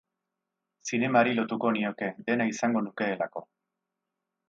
Zinemari lotuko nioke, dena izango nukeelako.